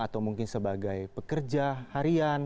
atau mungkin sebagai pekerja harian